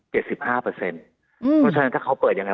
เพราะฉะนั้นถ้าเขาเปิดยังไง